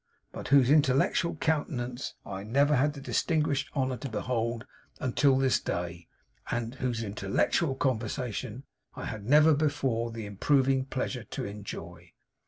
but whose intellectual countenance I never had the distinguished honour to behold until this day, and whose intellectual conversation I had never before the improving pleasure to enjoy.